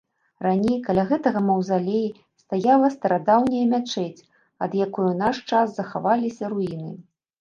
Раней каля гэтага маўзалеі стаяла старадаўняя мячэць, ад якой у наш час захаваліся руіны.